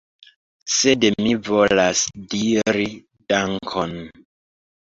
♫ Sed mi volas diri dankon ♫